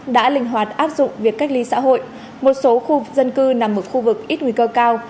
đã linh hoạt áp dụng việc cách ly xã hội một số khu dân cư nằm ở khu vực ít nguy cơ cao